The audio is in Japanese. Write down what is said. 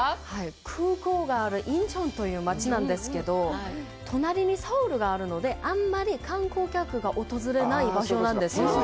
空港がある仁川という街なんですけど、隣にソウルがあるので、あんまり観光客が訪れない場所なんですよ。